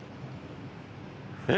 えっ！